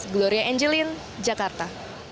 gloria angelin jakarta